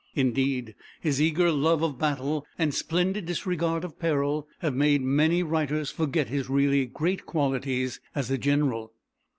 Indeed, his eager love of battle, and splendid disregard of peril, have made many writers forget his really great qualities as a general.